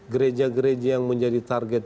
gereja gereja yang menjadi target